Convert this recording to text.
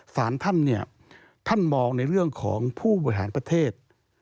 สารท่านเนี่ยท่านมองในเรื่องของผู้บริหารประเทศ